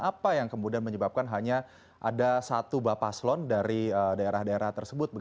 apa yang kemudian menyebabkan hanya ada satu bapak slon dari daerah daerah tersebut